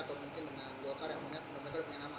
atau mungkin dengan golkar yang benar benar punya nama